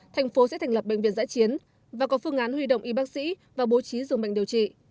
thành phố sẽ thành lập bệnh viện giã chiến và có phương án huy động y bác sĩ và bố trí dường bệnh điều trị